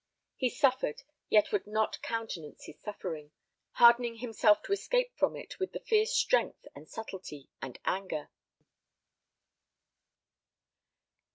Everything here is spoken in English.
He suffered, yet would not countenance his suffering, hardening himself to escape from it with fierce strength and subtlety and anger.